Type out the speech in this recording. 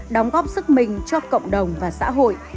đóng góp sức mình cho cộng đồng và xã hội